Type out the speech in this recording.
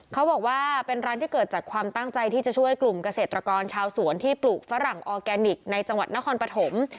เขาบอกว่าเป็นร้านที่เกิดจากความตั้งใจที่จะช่วยกลุ่มเกษตรกรชาวสวนที่ปลูกฝรั่งออร์แกนิคในจังหวัดนครปฐม